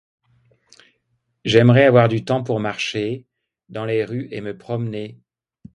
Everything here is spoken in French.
du temps pour marcher